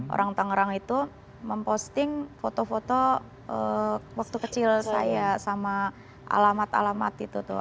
orang tangerang itu memposting foto foto waktu kecil saya sama alamat alamat itu tuh